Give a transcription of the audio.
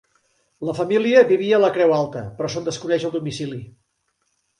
La família vivia a la Creu Alta, però se'n desconeix el domicili.